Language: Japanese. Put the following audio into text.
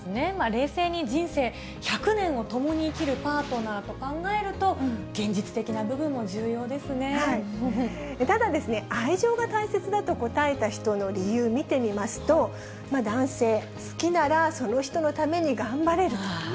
冷静に人生１００年を共に生きるパートナーと考えると、現実的なただですね、愛情が大切だと答えた人の理由見てみますと、男性、好きならその人のために頑張れると。